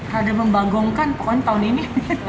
rada membanggongkan pokoknya tahun ini